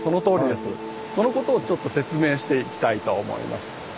そのことをちょっと説明していきたいと思います。